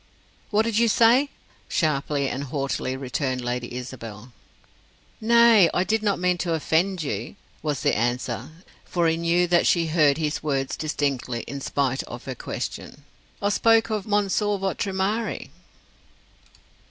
"What did you say?" sharply and haughtily returned Lady Isabel. "Nay, I did not mean to offend you," was the answer, for he knew that she heard his words distinctly in spite of her question. "I spoke of Monsieur votre mari."